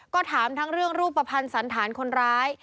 ก็ถามทั้งเรื่องรูปภัณฑ์สันธารคนร้าย